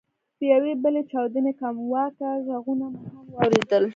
د یوې بلې چاودنې کمواکه ږغونه مو هم واورېدل.